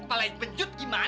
kok pergi rumah